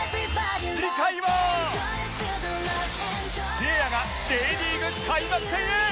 せいやが Ｊ リーグ開幕戦へ！